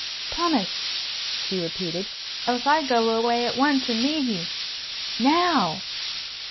"Promise!" she repeated, "else I go away at once, and leave you. Now!